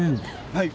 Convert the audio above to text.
はい